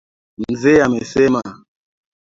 Mzee amesema.